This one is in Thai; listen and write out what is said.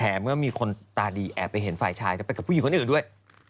เมื่อมีคนตาดีแอบไปเห็นฝ่ายชายจะไปกับผู้หญิงคนอื่นด้วย